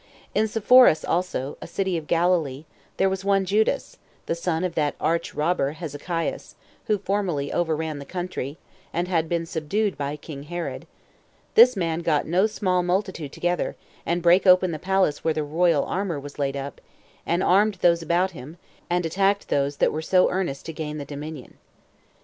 In Sepphoris also, a city of Galilee, there was one Judas [the son of that arch robber Hezekias, who formerly overran the country, and had been subdued by king Herod]; this man got no small multitude together, and brake open the place where the royal armor was laid up, and armed those about him, and attacked those that were so earnest to gain the dominion.